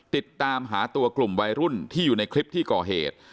ติดตามหาตัวกลุ่มวัยรุ่นที่อยู่ในคลิปที่ก่อเหตุ